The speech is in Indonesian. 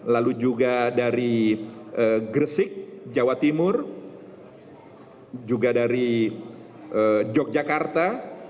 lalu juga dari gresik jawa timur juga dari yogyakarta